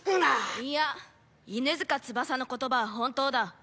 いや犬塚翼の言葉は本当だ。